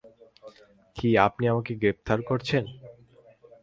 কি, আপনি আমাকে গ্রেপ্তার করছেন?